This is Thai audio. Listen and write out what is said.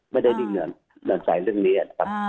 ไม่ได้มีเงินเดินใจเรื่องนี้นะครับ